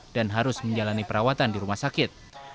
dan harus menjalani perawatan di rumah sakit